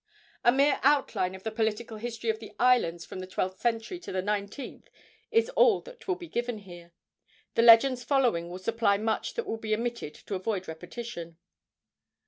A mere outline of the political history of the islands from the twelfth century to the nineteenth is all that will be given here. The legends following will supply much that will be omitted to avoid repetition.